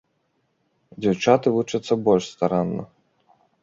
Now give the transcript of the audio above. Дзяўчаты вучацца больш старанна.